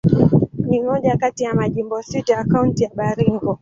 Ni moja kati ya majimbo sita ya Kaunti ya Baringo.